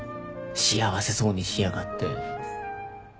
幸せそうにしやがって。